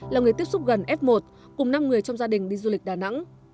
là người tiếp xúc gần f một cùng năm người trong gia đình đi du lịch đà nẵng